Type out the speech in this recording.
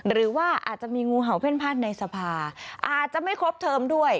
หรือว่าอาจจะมีงูเห่าเพ่นพัดในสภาอาจจะไม่ครบเทอมด้วย